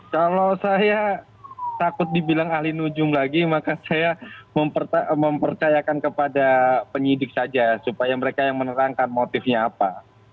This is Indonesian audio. kalau saya takut dibilang ahli nujung lagi maka saya mempercayakan kepada penyidik saja supaya mereka yang menerangkan motifnya apa